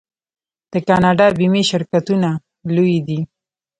د کاناډا بیمې شرکتونه لوی دي.